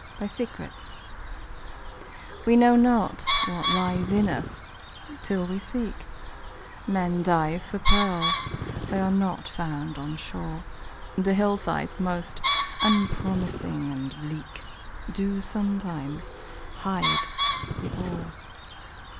HIDDEN GEMS We know not what lies in us, till we seek; Men dive for pearls—they are not found on shore, The hillsides most unpromising and bleak Do sometimes hide the ore.